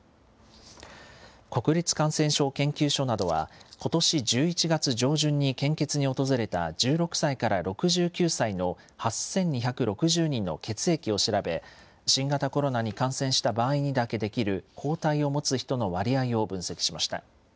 国立感染症研究所などは、ことし１１月上旬に献血に訪れた１６歳から６９歳の８２６０人の血液を調べ、新型コロナに感染した場合にだけできる抗体を持つ人の割合を分析しました。